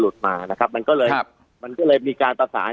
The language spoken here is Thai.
จะหลุดมานะครับมันก็เลยครับมันก็เลยมีการประสาน